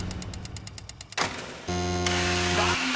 ［残念！